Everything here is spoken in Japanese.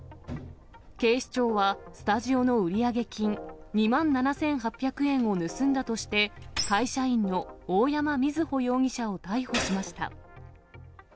警視庁は、スタジオの売上金２万７８００円を盗んだとして、会社員の大山瑞穂容疑者を逮捕しました。